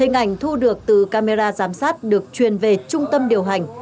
hình ảnh thu được từ camera giám sát được truyền về trung tâm điều hành